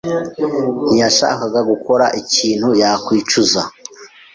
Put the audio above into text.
ntiyashakaga gukora ikintu yakwicuza.